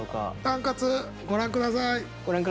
「タンカツ」ご覧下さい。